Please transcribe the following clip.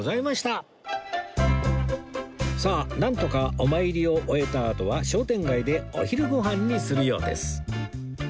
さあなんとかお参りを終えたあとは商店街でお昼ご飯にするようです